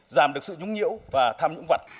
giảm được sự nhúng nhiễu và tham nhũng vật